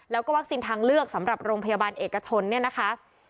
แล้วก็วัคซีนทางเลือกสำหรับโรงพยาบาลเอกชนเนี่ยนะคะ